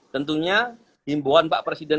tentunya himbuan pak presiden